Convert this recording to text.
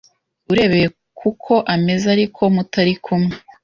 urebeye ku ko ameze ariko mutari kumwe